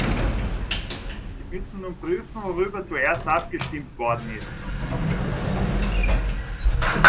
Sie müssen nun prüfen, worüber zuerst abgestimmt worden ist.